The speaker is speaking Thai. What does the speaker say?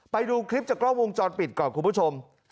ไปดูคลิปจากกล้องวงจรปิดก่อนคุณผู้ชม